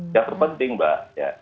yang terpenting mbak